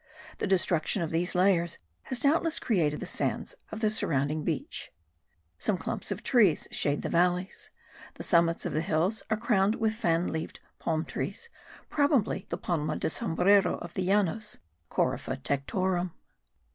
The destruction of these layers has doubtless created the sands of the surrounding beach. Some clumps of trees shade the valleys, the summits of the hills are crowned with fan leaved palm trees; probably the palma de sombrero of the Llanos (Corypha tectorum).